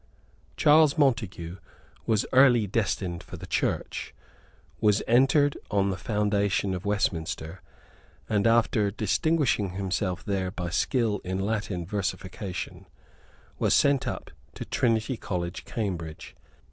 Charles Montague was early destined for the Church, was entered on the foundation of Westminster, and, after distinguishing himself there by skill in Latin versification, was sent up to Trinity College, Cambridge.